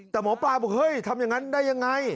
แต่หมอปลาบอกเฮ้ยทำอย่างนั้นได้ยังไง